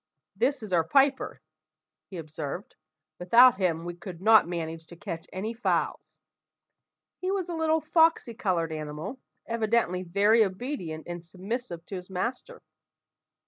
"This is our piper," he observed; "without him we could not manage to catch any fowls." He was a little foxy coloured animal, evidently very obedient and submissive to his master.